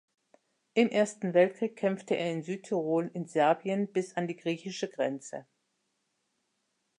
Im Ersten Weltkrieg kämpfte er in Südtirol, in Serbien bis an die griechische Grenze.